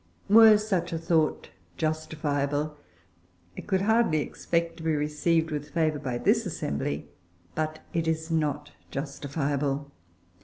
Were such a thought justifiable, it could hardly expect to be received with favour by this assembly. But it is not justifiable.